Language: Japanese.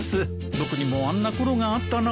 僕にもあんな頃があったなあ。